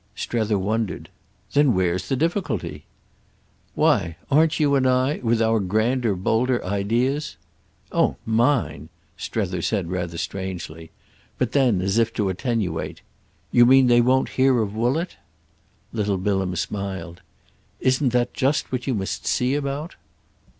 Strether wondered. "Then where's the difficulty?" "Why, aren't you and I—with our grander bolder ideas?" "Oh mine—!" Strether said rather strangely. But then as if to attenuate: "You mean they won't hear of Woollett?" Little Bilham smiled. "Isn't that just what you must see about?"